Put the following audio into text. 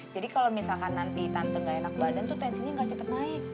jadi kalau misalkan nanti tante ga enak badan tuh tensinya ga cepet naik